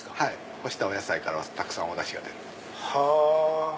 ⁉干したお野菜からたくさんおダシが出るんです。